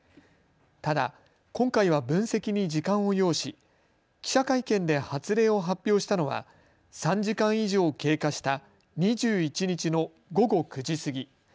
ただ今回は分析に時間を要し記者会見で発令を発表したのは３時間以上経過した２１日の午後９時過ぎ。